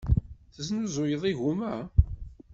Tesnuzuyeḍ igumma?